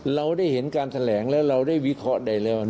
เราได้เห็นการแถลงแล้วเราได้วิเคราะห์ใดแล้ว